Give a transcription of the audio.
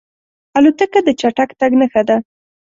الوتکه د چټک تګ نښه ده.